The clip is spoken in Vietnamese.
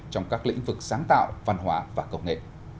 trong các lĩnh vực sáng tạo văn hóa và công nghệ